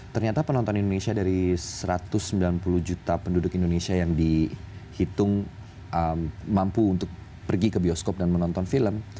ternyata penonton indonesia dari satu ratus sembilan puluh juta penduduk indonesia yang dihitung mampu untuk pergi ke bioskop dan menonton film